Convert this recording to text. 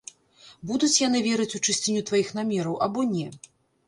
Будуць яны верыць у чысціню тваіх намераў або не?